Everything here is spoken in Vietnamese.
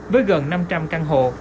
với gần năm trăm linh căn hộ